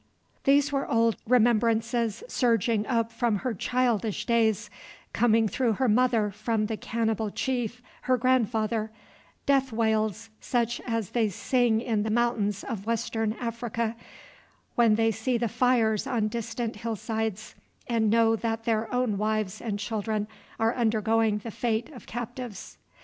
These were old remembrances surging up from her childish days, coming through her mother from the cannibal chief, her grandfather, death wails, such as they sing in the mountains of Western Africa, when they see the fires on distant hill sides and know that their own wives and children are undergoing the fate of captives.